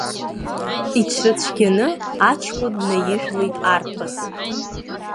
Иҽрыцәгьаны аҷкәын днаижәлеит арԥыс.